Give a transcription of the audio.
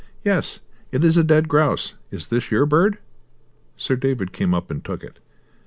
"Yes, it is a dead grouse. Is this your bird?" Sir David came up and took it.